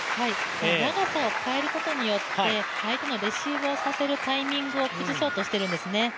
長さを変えることによって相手のレシーブをさせるタイミングを崩そうとしているんですね。